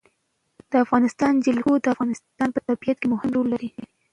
د افغانستان جلکو د افغانستان په طبیعت کې مهم رول لري.